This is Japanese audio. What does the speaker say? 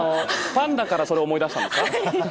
パンダからそれ思い出したんですか。